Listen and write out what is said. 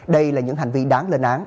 đây là những hành vi đáng lên án